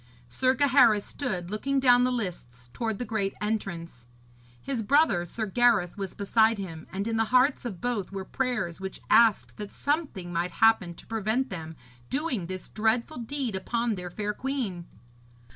Sir Gaheris stood looking down the lists towards the great entrance. His brother, Sir Gareth, was beside him, and in the hearts of both were prayers which asked that something might happen to prevent them doing this dreadful deed upon their fair queen.